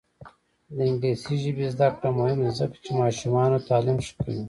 د انګلیسي ژبې زده کړه مهمه ده ځکه چې ماشومانو تعلیم ښه کوي.